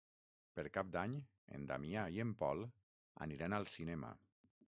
Per Cap d'Any en Damià i en Pol aniran al cinema.